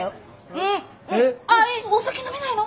えっお酒飲めないの？